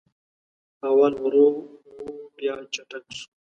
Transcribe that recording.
اول ورو و بیا چټک سو